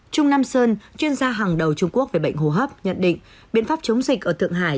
trung nam sơn chuyên gia hàng đầu trung quốc về bệnh hô hấp nhận định biện pháp chống dịch ở thượng hải